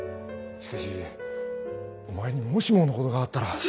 しかしお前にもしものことがあったら。